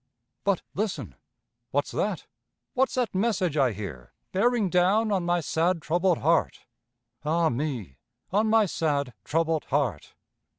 But, listen! What's that? What's that message I hear Bearing down on my sad troubled heart? (Ah me, on my sad troubled heart!)